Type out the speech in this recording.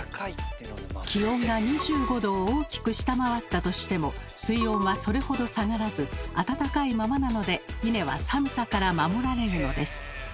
気温が２５℃を大きく下回ったとしても水温はそれほど下がらず温かいままなのでイネは寒さから守られるのです。